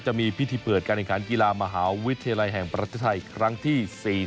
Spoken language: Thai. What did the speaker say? จะมีพิธีเปิดการแข่งขันกีฬามหาวิทยาลัยแห่งประเทศไทยครั้งที่๔๐